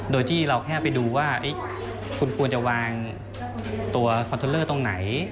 โดยที่เราแค่ไปดูว่าคุณควรจะวางตัวคอนเทลเลอร์ตรงไหน